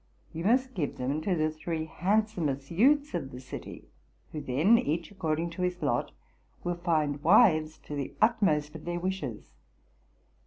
You must give them to the three handsomest youths of the city, who then, each accord ing to his lot, will find wives to the utmost of their wishes.